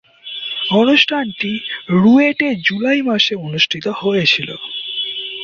অনুষ্ঠানটি রুয়েটে জুলাই মাসে অনুষ্ঠিত হয়েছিলো।